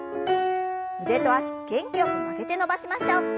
腕と脚元気よく曲げて伸ばしましょう。